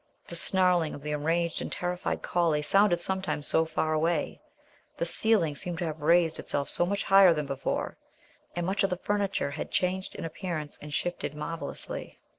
The snarling of the enraged and terrified collie sounded sometimes so far away; the ceiling seemed to have raised itself so much higher than before, and much of the furniture had changed in appearance and shifted marvellously.